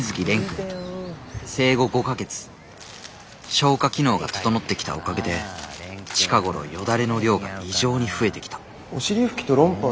消化機能が整ってきたおかげで近頃よだれの量が異常に増えてきたお尻拭きとロンパース？